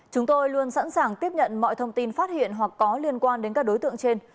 chúng tôi luôn sẵn sàng tiếp nhận mọi thông tin phát hiện hoặc có liên quan đến các đối tượng trên